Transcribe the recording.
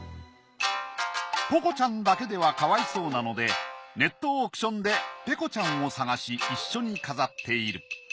ポコちゃんだけではかわいそうなのでネットオークションでペコちゃんを探し一緒に飾っている。